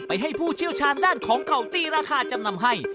ให้ผู้เชี่ยวชาญด้านของเก่าตีราคาจำนำให้